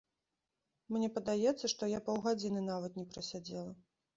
Мне падаецца, што я паўгадзіны нават не прасядзела.